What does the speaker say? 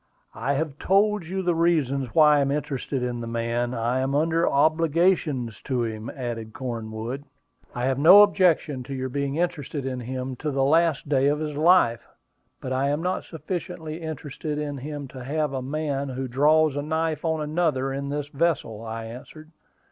"I have told you the reason why I am interested in the man; I am under obligations to him," added Cornwood. "I have no objection to your being interested in him to the last day of his life; but I am not sufficiently interested in him to have a man who draws a knife on another in this vessel," I answered.